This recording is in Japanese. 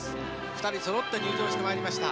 ２人そろって入場して参りました。